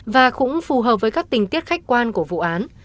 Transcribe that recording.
và cũng phù hợp với các tình tiết khách quan của vụ án